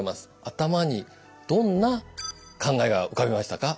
頭にどんな考えが浮かびましたか？